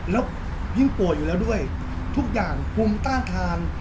แล้วยิ่งป่วยอยู่แล้วด้วยทุกอย่างภูมิต้านทาน